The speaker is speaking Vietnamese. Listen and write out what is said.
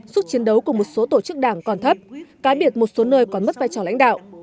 sức chiến đấu của một số tổ chức đảng còn thấp cá biệt một số nơi còn mất vai trò lãnh đạo